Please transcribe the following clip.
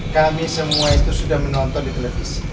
kami semua itu sudah menonton di televisi